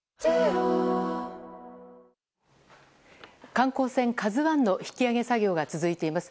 観光船「ＫＡＺＵ１」の引き揚げ作業が続いています。